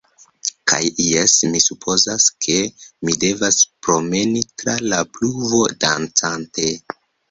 Kaj, jes mi supozas, ke mi devas promeni tra la pluvo, dancante.